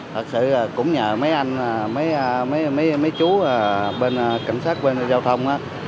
thật sự cũng nhờ mấy anh mấy chú bên cảnh sát bên giao thông